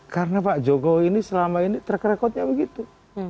karena pak jokowi ini selama ini track recordnya begitu